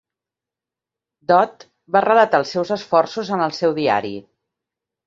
Dodd va relatar els seus esforços en el seu diari.